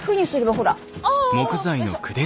ほら。